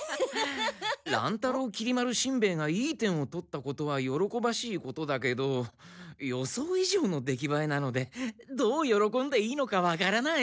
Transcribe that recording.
乱太郎きり丸しんべヱがいい点を取ったことは喜ばしいことだけど予想以上の出来ばえなのでどう喜んでいいのかわからない。